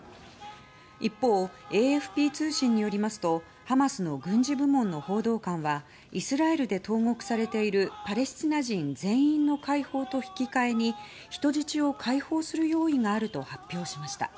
一方、ＡＦＰ通信によりますとハマスの軍事部門の報道官はイスラエルで投獄されているパレスチナ人全員の解放と引き換えに人質を解放する用意があると発表しました。